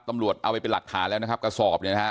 ตำรวจเอาไปเป็นหลักฐานแล้วนะครับกระสอบเนี่ยนะฮะ